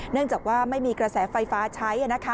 เนื่องจากว่าไม่มีกระแสไฟฟ้าใช้